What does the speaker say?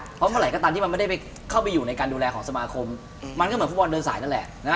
เพราะเมื่อไหร่ก็ตามที่มันไม่ได้เข้าไปอยู่ในการดูแลของสมาคมมันก็เหมือนฟุตบอลเดินสายนั่นแหละ